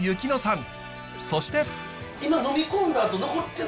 そして。